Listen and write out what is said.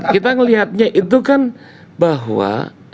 kita melihatnya itu kan bahwa